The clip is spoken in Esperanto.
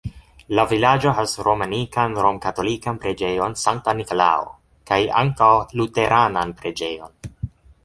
La vilaĝo havas romanikan romkatolikan preĝejon Sankta Nikolao kaj ankaŭ luteranan preĝejon.